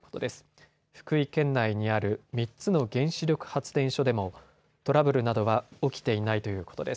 そして福井県内にある３つの原子力発電所でもトラブルなどは起きていないということです。